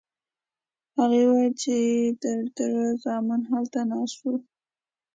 هغې وویل چې د تره زامن هلته ناست وو.